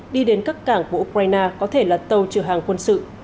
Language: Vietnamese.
đi đến các cảng của ukraine có thể là tàu chở hàng quân sự